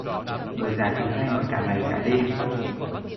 Người già thường hay nói cả ngày cả đêm